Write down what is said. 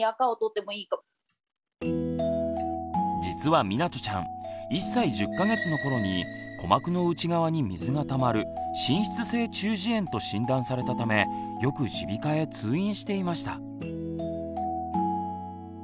実はみなとちゃん１歳１０か月の頃に鼓膜の内側に水がたまる「滲出性中耳炎」と診断されたためよく耳鼻科へ通院していました。